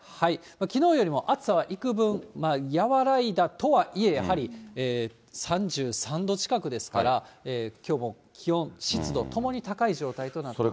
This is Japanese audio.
きのうよりも暑さはいくぶん和らいだとはいえ、やはり３３度近くですから、きょうも気温、湿度ともに高い状態となっています。